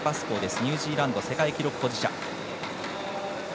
ニュージーランド世界記録保持者。